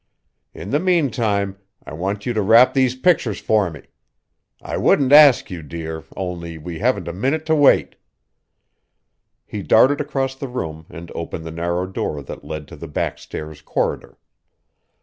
In the meantime I want you to wrap these pictures for me. I wouldn't ask you, dear, only we haven't a minute to wait." He darted across the room and opened the narrow door that led into the backstairs corridor.